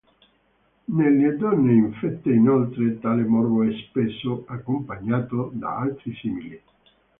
Nelle donne infette, inoltre, tale morbo è spesso accompagnato da altri simili.